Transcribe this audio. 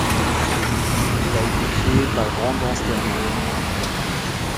Il a été créé par Brandon Sterner.